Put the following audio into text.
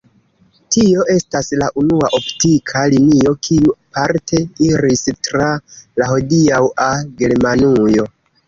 Tio estas la unua optika linio kiu parte iris tra la hodiaŭa Germanujo.